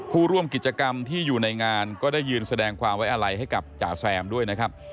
ผู้ร่วมกิจกรรมที่อยู่ในงานก็ได้ยืนแสดงความไว้อะไรให้กับจ๋าแซมด้วยนะครับ